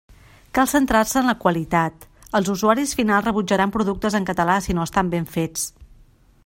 Cal centrar-se en la qualitat: els usuaris finals rebutjaran productes en català si no estan ben fets.